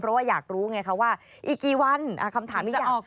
เพราะว่าอยากรู้ไงคะว่าอีกกี่วันคำถามหรือยัง